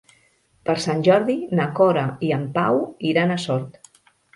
Per Sant Jordi na Cora i en Pau iran a Sort.